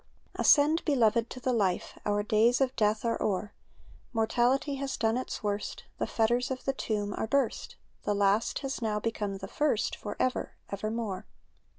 Ascend, beloved, to the life ; Our days of death are o'er ; Mortality has done its worst. The fetters of the tomb are burst. The last has now become the first. For ever, evermore.